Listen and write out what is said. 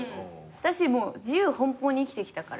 自由奔放に生きてきたから。